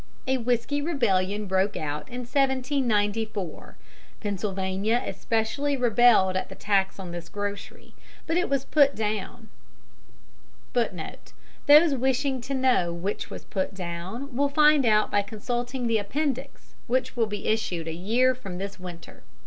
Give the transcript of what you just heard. A Whiskey Rebellion broke out in 1794. Pennsylvania especially rebelled at the tax on this grocery, but it was put down. (Those wishing to know which was put down will find out by consulting the Appendix, which will be issued a year from this winter.)